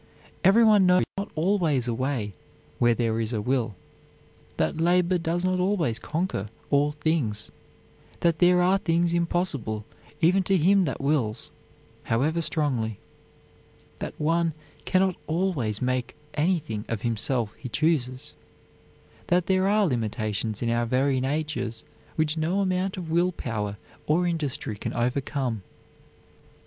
Every one knows that there is not always a way where there is a will; that labor does not always conquer all things; that there are things impossible even to him that wills, however strongly; that one can not always make anything of himself he chooses; that there are limitations in our very natures which no amount of will power or industry can overcome.